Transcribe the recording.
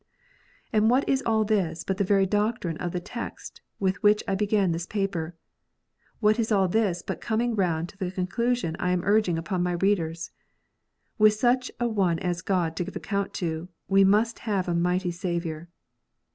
And what is all this but the very doctrine of the text with which I began this paper ? What is all this but coming round to the conclusion I am urging upon my readers ? With such an one as God to give account to, we must have a mighty Saviour.